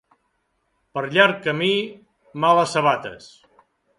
Per llarg camí, males sabates.